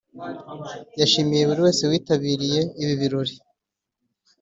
yashimiye buri wese witabiriye ibi birori